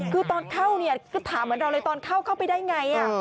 คือตอนเข้าก็ถามเหมือนเราเลยตอนเข้าไปได้อย่างไร